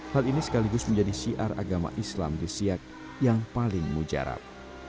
hal ini sekaligus menjadi siar agama islam di siak yang paling mujarab